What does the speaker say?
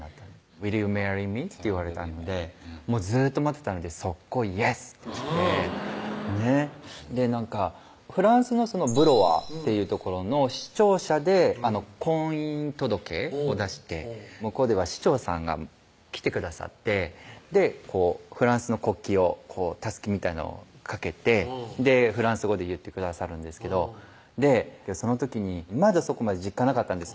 「Ｗｉｌｌｙｏｕｍａｒｒｙｍｅ？」って言われたのでずーっと待ってたので即行「イエス！」って言ってねっなんかフランスのブロワっていう所の市庁舎で婚姻届を出して向こうでは市長さんが来てくださってでフランスの国旗をたすきみたいのを掛けてフランス語で言ってくださるんですけどその時にまだそこまで実感なかったんです